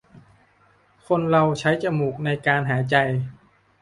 คนเราใช้จมูกในการหายใจ